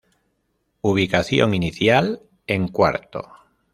Ubicación inicial: En cuarto.